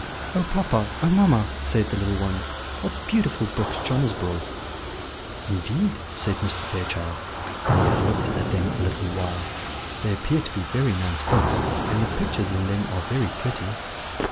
"Oh, papa! oh, mamma!" said the little ones, "what beautiful books John has brought!" "Indeed," said Mr. Fairchild, when he had looked at them a little while, "they appear to be very nice books, and the pictures in them are very pretty."